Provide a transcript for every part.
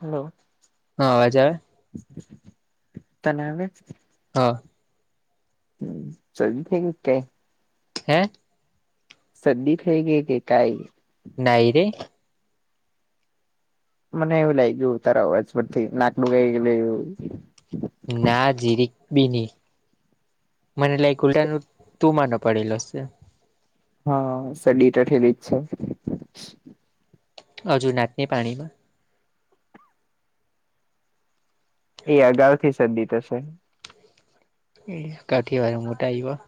Hello હા અવાજ આવે‌. તને આવે? હા [unintelligible] હે? સરદી થઈ ગઈ કે કઈ! નાઈ રે મને એવું લાગ ગયું તારા અવાજ પરથી નાકડું ગઈ ગયું એવું. [unintelligible] પડેલો છે. હા સડીટ ઠેલી જ છે. હજુ નાચને પાણીમાં. એ અગાઉ થી સરદી થશે. એ કાઠીવાર મોટા આયવા.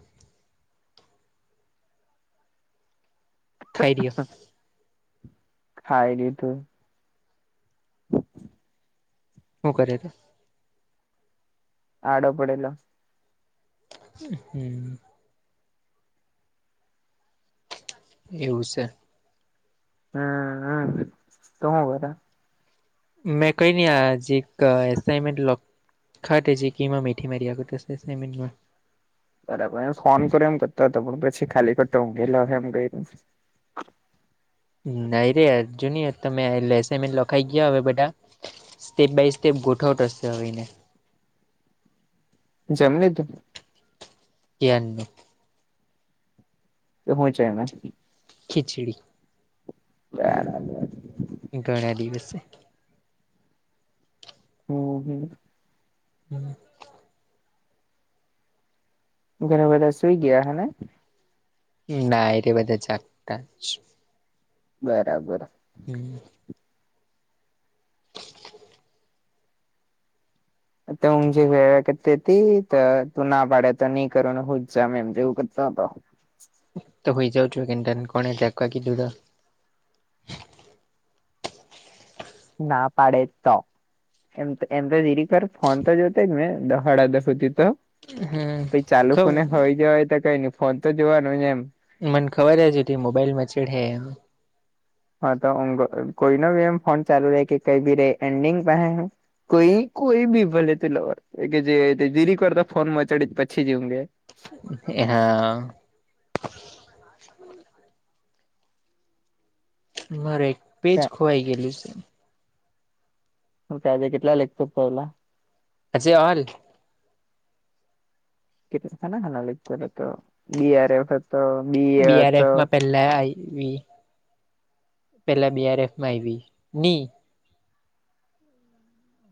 ખાઈ રહ્યો [unintelligible] શું કર કે? આડો પડેલો. હમ એવું છે. હમ હમ [inaudible] મેં કઈ નહ આ જે એસાનમેન્ટ [unintelligible] બરાબર એમ ફોન કરો એમ કરતા હતો પણ પછી ખાલી કરતો હઘેલો એમ ક નહી રે અર્જુન તમે લસાન લખાઈ ગયા હવે બધા. સ્ટેપ બાય સ્ટેપ ગોઠવત હશે આવીને. જેમ લીધું. [inaudible] તે હું છે એને? ખીચડી. બરાબર. ઘણા દિવસે. હમ હમ [inaudible] ઘણા બધા સુઈ ગયા હને? ના એરે બધા જાગતા બરાબર. [inaudible] તો ઊંઘ જે વે કરતી હતી તું ના પાડે તો નહી કરો હું જ જા એમ જેવું કરતો હતો. તો હોઈ જઉ [inaudible] ના પાડે તો. એમ એમ તો ધીરીકર ફોન તો જોતો જ ને [inaudible] તો હા તો ચાલુ ફોને હોય જવાય તો કઈ નઈ ફોન તો જોવાનું એમ. મને ખબર હ જેથી મોબાઈલમાં મચડ હે‌એમ. હા તો કોઈ ન ભી એમ ફોન ચાલુ રહે કે કઈ બી ર એન્ડિંગ પાહે કઈ કોઈ બી ભલે તું લવ કે જે જીરીકર તો ફોન મચાડી પછીજ ઊંઘે હા મારે એક પેજ ખોવાઈ ગયેલી છે. હું કે આજે કેટલા લેક્ચર ચાલ્યા? આજે ઓલ. કેટલા સાના સાના લેક્ચર હતા બી. આર. એફ હતો બીએ હતો હતો. પેલા આવી પેલા બીઆરએફમાં આવી ની-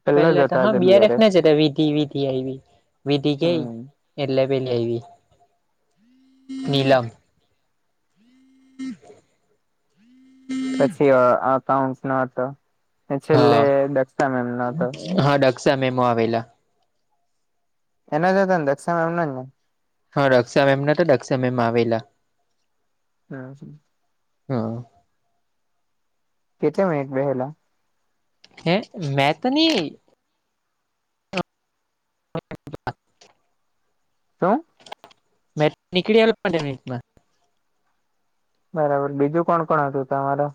પેલો જ પેલા તો હતો હા આજે બિઆારફ બીઆરએફ ના જતા વિધિ વિધિ આવી. વીટી ગઈ હમ એટલે પેલી આવી નીલમ. હમ પછી અકાઉન્ટ ન હતો અને છેલ્લે હા દક્ષા મેમ એમનો હતો. હા દક્ષા મેમ હો આવેલા. એનો જ હતો ને દક્ષામેમનો જ ને. હા દક્ષા એમ ના દક્ષા મેમ આવેલા. હા હ કેટલા મનિટ બેહેલા. હે મે તની [inaudible] તો મેં તો નીકળી આવેલો પંદર મિનિટમાં. બરાબર બીજું કોણ કોણ હતું તમારો?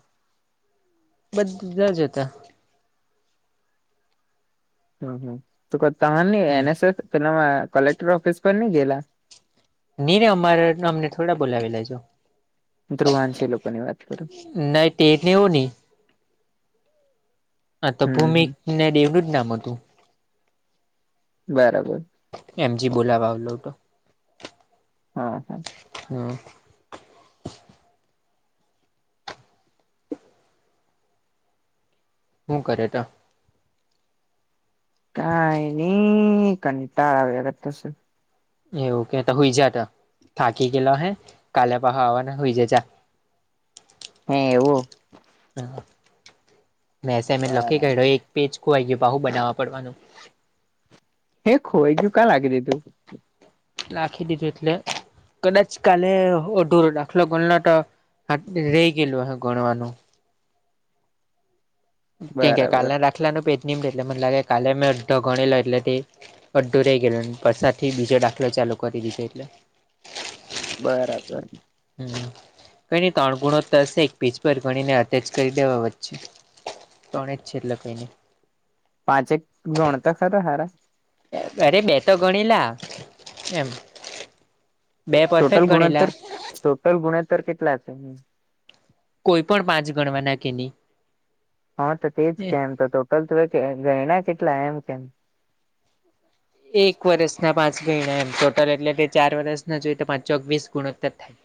બધા જ હતા. હમ હ તો ત ન હમ એનએસસ પેલા કલેક્ટર ઓફિસ પર ની ગેલા? ની ર અમારે અમને થોડા બોલાવેલા લેજો ધ્રુવાંશી લોકોની વાત કરુ. નહી ટેટ ન હોની હા તો હમ હમ ભૂમિને દેવનું જ નામ હતું. બરાબર. એમજી બોલાવા આવેલો હતો. હા હા. હમ્મ. હું કરે તો? કાંઈ નહિ કંટાળા આવ્યા કરતો છે. એવું કે સુઈ જાતો થાકી ગયેલો અહે કાલે પાહો આવવાનો. હે એવું. મેં અસાઈમેન્ટ લખી બરાબર કાઢ્યો એક પેજ ખોવાઈ ગયું પાછું બનાવવા પડવાનું. હે ખોવાઈ ગયું ક્યાં લાખી દીધું? લખી દીધું એટલે કદાચ કાલે અઢૂરો દાખલો ગણેલો તો રહી ગયેલો અહે ગણવાનું. કે બરાબર કાલે જ દાખલા નું પેજ નહી મળે એટલે લાગે કાલે મેં અડધો ગણેલો અડધું રહી ગયેલું ને પહોંચાડથી બીજું બીજો દાખલો ચાલુ કરી દીધેલો એટલે. બરાબર. કઈ ની ત્રણ ગુણોત્તર છે‌ એક પેજ ઉપર ગણીને વચ્ચે અટેચ કરી દેવા. ત્રણ જ છે એટલે કંઈ નહીં. પાંચેક ગણ તો ખરા હારા. અરે બે તો ગણે લા એમ. બે ટોટલ પરફેક્ટ ગણેલા ગુણ્યાત્તર ટોટલ ગુણાત્તર કેટલા હતા કોઈ પણ પાંચ ગણવા ના કે નહી હા તો તેજ કેમ તો ટોટલ તે ગરણા કેટલા એમ કેમ એક વર્ષ ના પાંચ ગયણા એમ ટોટલ એટલે ચાર વર્ષ ના જોઈ તો પાંચચોગવીસ ગુણવત્તા થાય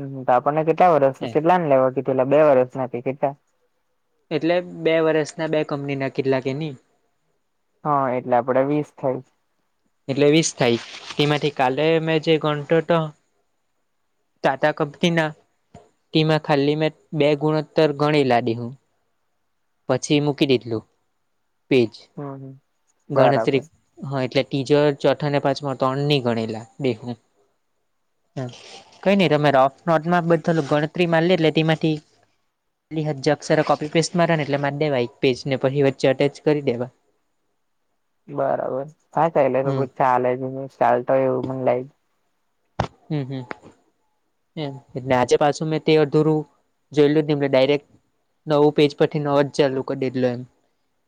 હમ તો આપણને કેટલા વર્સ જેટલા ને લેવા કીધલા બે વરસ નથી કેટલા એટલે બે વરષ ના બે કંપની ના કેટલા કે નહી હા એટલે આપડે વીસ થાય એટલે વીસ થાય તેમાંથી કાલે મેમ જે ઘંટો તો ટાટા કંપની ના ટીમાં ખાલી મેં બે ગુણોત્તર ગણી લાડી હું પછી મૂકી દીધેલું પેજ હમ બરાબર ગણતરી હા એટલે તીજો ચોઠા ને પાંચમા ત્રણ ની ગણેલા બેેહું કઈ નઈ તમે રફ નોટમાં બધુ ગણતરી મા એટલે તેમાંથી એ હજ અક્ષર કોપી પેસ્ટ માારને એટલે મા દેવા એક પેજ ને પછી વચ્ચે અટેચ કરી દેવા બરાબર હા ચાલે તો બ હમ ચાલ હ ત ચાલતોય એવું પણને લાગ હમ હમ એટલે આજે પાછું મેં તે અધૂરું જોયલુંધું એ ડાયરેક્ટ નવું પેજ પરથી નવુ જ ચાલુ કરી દીધેલો એમ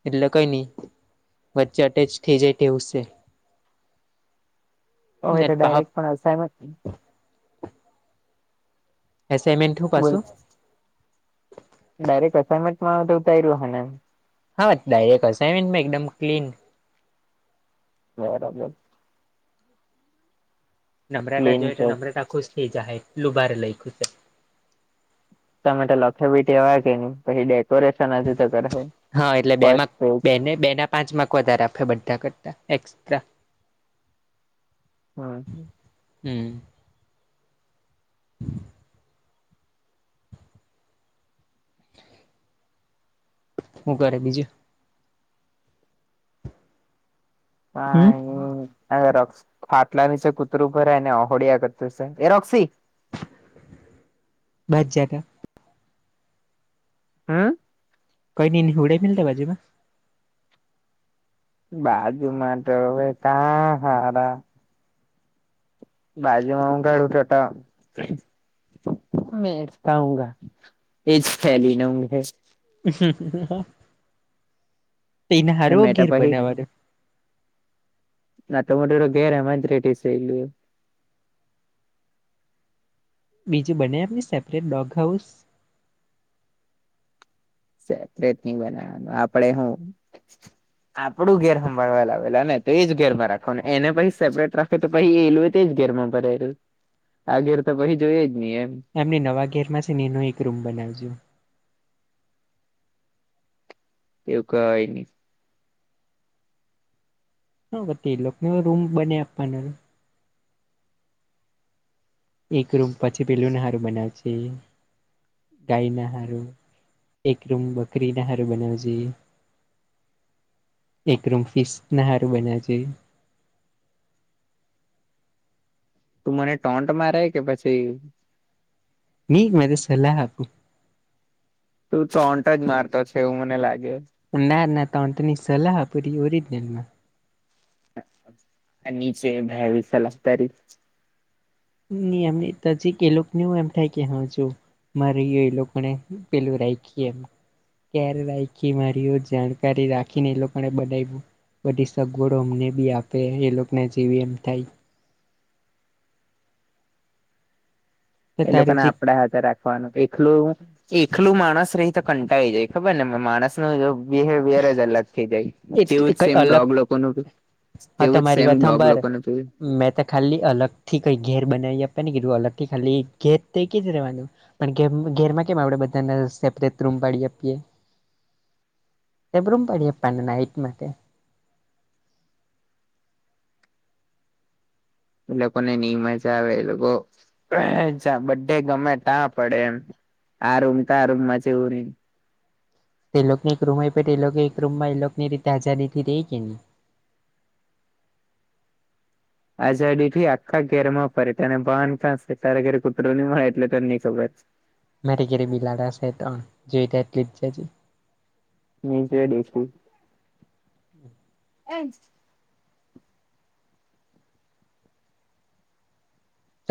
એટલે કઈ નહી વચ્ચે અટેચ થઇ જાય તેવું છે ઓ એ તો છે ડાયરેક્ટ પણ અસામેનટ એસાઈનમેન્ટ હૂં બોલ પાશો ડાયરેક્ટ અસનમેન્ટમાં ઉતારુ રહ્યું હેને હા ડાયરેક્ટ અસાઈમેનટ મેં એકદમ ક્લીન [unintelligible] નમ્રતા ક્લીન જોઈ તો ચોક નમ્રતા ખુશ થઈ જાય લુભારે લઈ ખુશ તમે લખેબીટીવા કે ન પછી ડેકોરેશનજ કર ફ એને બેના પાંચ માકૅ વધારે આપે બધા કરતા એક્સ્ટ્રા હા જ હમ હું કરે બીજું હ હમ [unintelligible] હ ર ફાટલા ની છે કૂતરું ભરેને અહોળિયા કરતું છે એ રોક્ષી બેઠજાટ હમ કઈ ની હુવડાવી દેને બાજુ માં બાજુ માટે હવે કા હારા બાજીમાં ઉઘાડું તોત [unintelligible] એજ ફેલીને હુંઘે તો એના હારો મેં તો વગેર પછી બનાવાનો ના તમટરો ગેરે મંત રેટ છે એલુ બીજું બનાઈ આપને સેપરેટ ડોગ હાઉસ સેપરેટ નહી બનાવાનું આપણે હું આપડું ઘેર સંંભાળવા લાવેલા ને તો એ જ ઘેર માં રાખો ને એને પછી સેપરેટ રાખો તો પછી એ તેજ ઘેરમાં ભરાયલું આ ઘેર તો પછી જોઈ જ નહી એમ એમને નવા ઘેર માં છે નો એક રૂમ બનાવજો એવું કવાય નહી હ એ લોકોને રૂમ બનાઈ આપવાનો એક રૂમ પછી પેલું નારું બનાવ છે ગાય ના હારુ એક રૂમ બકરીના હારુ બનાવજે. એક રૂમ ફિશ ના હાર બનાવજે. તું મને ટોન્ટ મારે કે પછી ની મેતો સલાહ આપું. તું ટોન્ટ જ મારતો છે એવું મને લાગે. ના ના ટોન્ટ ની સલાહ પૂરી ઓરિજિનલમાં. આ નીચે ભેં વિશે લફતારી એમજી એ લોકો હું એમ થાય કે હ જો. મારી એ લોકોને પેલું રાખીએ એમ. કેર રાયખી મારીઓ જાણકારી રાખીને એ લોકોને બનાવ્યું. બધી સગવડો અમને બી આપે એ લોકોને જેવી એમ થાય. તો એ તારું લોકોને જે આપડા હાથે રાખવાનું એકલું એકલું માણસ રહી તો કંટાળી જાય ખબર ને માણસ ન બિહેવિયર જ અલગ થઈ જાય. એટલે જેવું જ કઈ સેમ અલગ ડોગ લોકોનુ બી હા તેવું જ તમારી સેમ વાત ડોગ હાંભર લોકોને મેં તો ખાલી અલગ થી કઈ ઘેર બનાવી આપે ને કીધું અલગ થી ખાલી ઘેર તે કે જ રહેવાનું. પણ ઘેરમાં કેમ આપણેે બધાને સેપરેટ રૂમ પાડી આપીએ એમ રૂમ પાડી આપવાના નાઈટ માટે. એ લોકો ને ની મજા આવે એ લોકો બે ગમે તાં પડે એમ. આ રૂમ તો આ રૂમ મા એવું નહી. તે લોકો એક રૂમ આઈપી હોય તો એ લોકો એક રૂમ માં એની રીતે આઝાદી થી રે કે ની. આઝાદી થી આખા ઘેર માં ફરે તને ભાન કાંસે તારા ઘેર કૂતરો નહી મળે એટલે તને ની ખબર. મારે ઘરે બિલાડા શે ત્રણ જોઈતા હોય તો લઈ જજે. ની જુએ ડેડ ફૂટ. હમ્મ. એ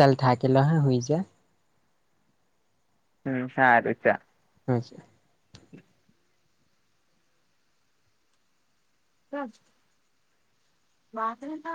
ચાલ થાકેલ હોય હુંઈ જા. હમ્મ સારુ ચાલ. હચ્ છે. ટ્રક [unintelligible]